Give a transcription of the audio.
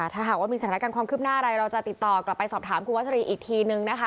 ถ้าหากว่ามีสถานการณ์ความคืบหน้าอะไรเราจะติดต่อกลับไปสอบถามคุณวัชรีอีกทีนึงนะคะ